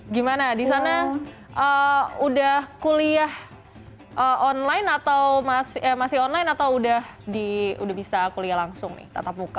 gimana di sana udah kuliah online atau masih online atau udah bisa kuliah langsung nih tatap muka